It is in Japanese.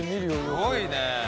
すごいね。